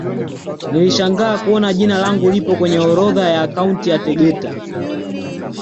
Nilishangaa kuona jina langu lipo kwenye orodha ya akaunti ya Tegeta